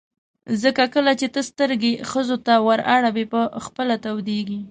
ځکه کله چې ته سترګې ښځو ته ور اړوې په خپله تودېږي.